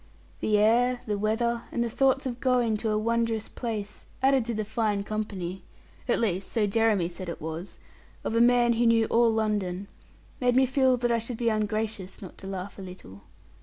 The air, the weather, and the thoughts of going to a wondrous place, added to the fine company at least so Jeremy said it was of a man who knew all London, made me feel that I should be ungracious not to laugh a little.